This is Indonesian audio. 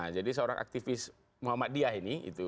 jadi seorang aktivis muhammad diyah ini